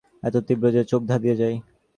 এত তীব্র যে চোখ ধাঁধিয়ে যায়।